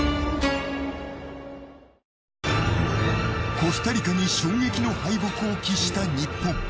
コスタリカに衝撃の敗北を喫した日本。